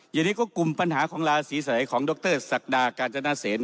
อย่างนี้ก็กลุ่มปัญหาของราศีสมัยของดรศักดากาญจนเศษ